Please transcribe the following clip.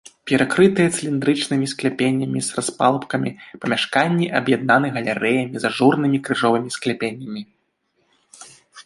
Перакрытыя цыліндрычнымі скляпеннямі з распалубкамі памяшканні аб'яднаны галерэямі з ажурнымі крыжовымі скляпеннямі.